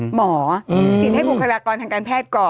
หมอฉีดให้บุคลากรทางการแพทย์ก่อน